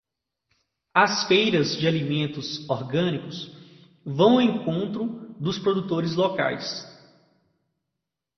As feiras de alimentos orgânicos vão ao encontro dos produtores locais